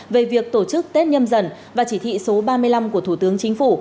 về việc tổ chức tết nhâm dần và chỉ thị số ba mươi năm của thủ tướng chính phủ